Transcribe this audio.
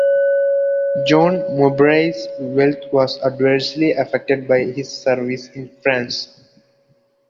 John Mowbray's wealth was adversely affected by his service in France.